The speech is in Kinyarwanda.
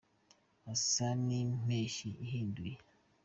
Asa n’impeshyi ihinduye.